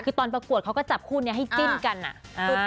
คือตอนประกวดเขาก็จับคู่นี้ให้จิ้นกันอะ